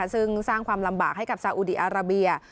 ซึ่งสร้างความลำบากให้กับซาอุดีอาราเบีย